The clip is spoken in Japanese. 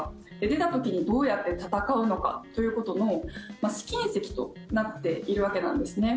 出た時にどうやって戦うのかということの試金石となっているわけなんですね。